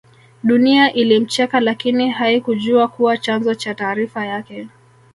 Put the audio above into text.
Dunia ilimcheka lakini haikujjua kuwa chanzo cha taarifa yake